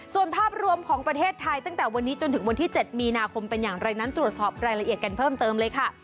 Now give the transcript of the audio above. ส่วนภาพรวมของประเทศไทยตั้งแต่วันนี้จนถึงวันที่๗มีนาคมเป็นอย่างไรนั้นตรวจสอบรายละเอียดกันเพิ่มเติมเลยค่ะ